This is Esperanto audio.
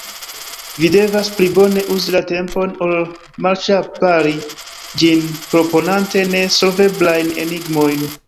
Vi devas pli bone uzi la tempon ol malŝpari ĝin proponante ne solveblajn enigmojn.